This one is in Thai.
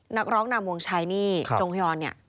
นักร้องนามวงชายหนี้จงฮยอนเนี่ย